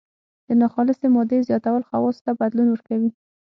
د ناخالصې مادې زیاتول خواصو ته بدلون ورکوي.